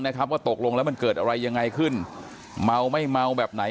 นะครับว่าตกลงแล้วมันเกิดอะไรยังไงขึ้นเมาไม่เมาแบบไหน